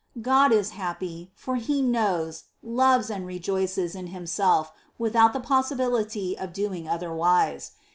God is happy, for He knows, loves, and rejoices in Himself, without the possibility of doing otherwise.